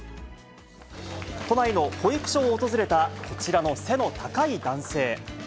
都内の保育所を訪れた、こちらの背の高い男性。